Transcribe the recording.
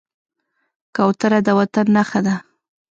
کوتره د وطن نښه ده.